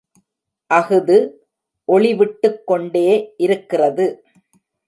அஃது ஒளிவிட்டுக் கொண்டே இருக்கிறது.